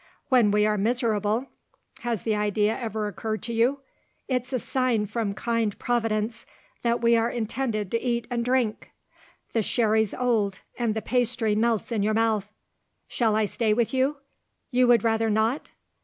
When we are miserable has the idea ever occurred to you? it's a sign from kind Providence that we are intended to eat and drink. The sherry's old, and the pastry melts in your mouth. Shall I stay with you? You would rather not?